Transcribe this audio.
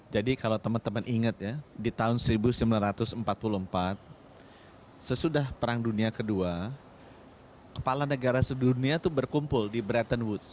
jadi kalau teman teman ingat ya di tahun seribu sembilan ratus empat puluh empat sesudah perang dunia ii kepala negara sedunia itu berkumpul di bretton woods